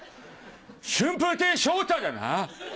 春風亭昇太だな！